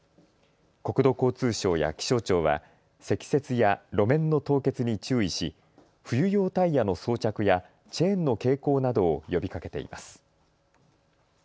国土交通省や気象庁は積雪や路面の凍結に注意し冬用タイヤの装着やチェーンの携行などを呼びかけています。